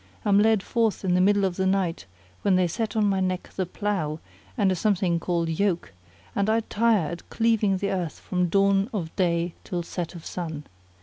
am led forth in the middle of the night, when they set on my neck the plough and a something called Yoke; and I tire at cleaving the earth from dawn of day till set of sun.